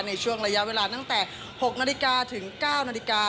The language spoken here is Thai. ในช่วงระยะเวลาตั้งแต่๖นาฬิกาถึง๙นาฬิกา